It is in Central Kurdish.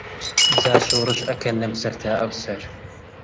جا شۆڕش ئەکەن لەم سەر تا ئەوسەر